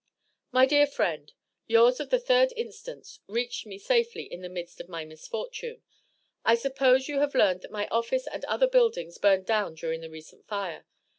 My Dear Friend: Yours of the 3d inst. reached me safely in the midst of my misfortune. I suppose you have learned that my office and other buildings burned down during the recent fire.